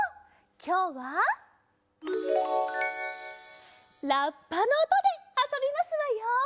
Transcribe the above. きょうはラッパのおとであそびますわよ！